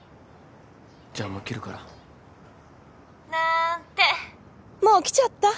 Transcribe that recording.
じゃあもう切るから。なんてもう来ちゃった。